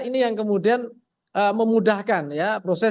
ini yang kemudian memudahkan ya proses